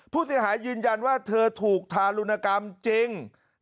ผู้เสียหายยืนยันว่าเธอถูกทารุณกรรมจริง